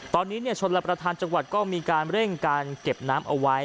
ตอนนี้ชนรับประทานจังหวัดก็มีการเร่งการเก็บน้ำเอาไว้